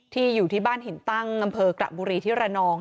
อยู่ที่บ้านหินตั้งอำเภอกระบุรีที่ระนอง